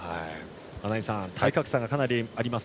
穴井さん体格差がかなりあります。